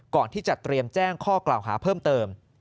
ก่อนที่จะเตรียมแจ้งข้อกล่าวหาเพิ่มเติม